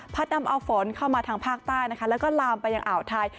นำเอาฝนเข้ามาทางภาคใต้นะคะแล้วก็ลามไปยังอ่าวไทย